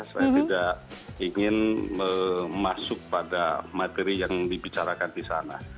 saya tidak ingin masuk pada materi yang dibicarakan di sana